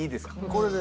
これで。